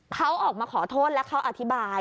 เขาออกมาขอโทษและเขาอธิบาย